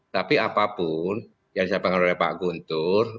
tapi apapun yang disampaikan oleh pak guntur